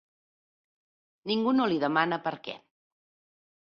Ningú no li demana per què.